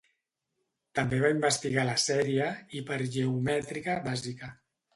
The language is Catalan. També va investigar la sèrie hipergeomètrica bàsica.